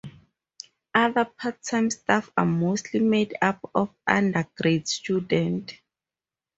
Other part-time staff are mostly made up of undergrad students.